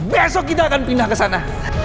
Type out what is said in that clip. besok kita akan pindah kesana